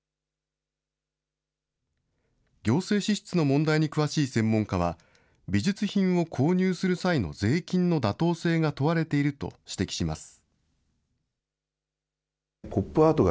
行政支出の問題に詳しい専門家は、美術品を購入する際の税金の妥当性が問われていると指摘します。